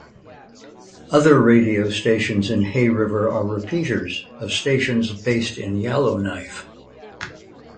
Other radio stations in Hay River are repeaters of stations based in Yellowknife.